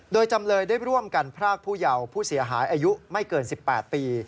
โดยจำเลยได้ร่วมกันพรากผู้เยาว์ผู้เสียหายอายุไม่เกิน๑๘ปี